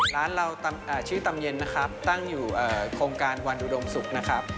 ร้านเราชื่อตำเย็นนะครับตั้งอยู่โครงการวันอุดมศุกร์นะครับ